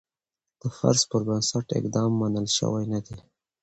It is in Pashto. د فرض پر بنسټ اقدام منل شوی نه دی.